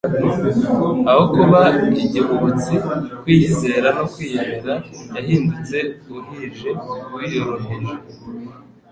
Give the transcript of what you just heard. Aho kuba igihubutsi, kwiyizera no kwiyemera, yahindutse uhije, wiyoroheje,